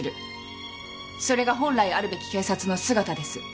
それが本来あるべき警察の姿です。